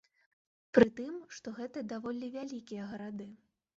Пры тым, што гэта даволі вялікія гарады.